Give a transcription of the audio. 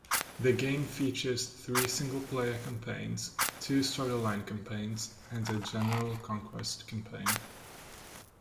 The game features three singleplayer campaigns, two storyline campaigns and a general conquest campaign.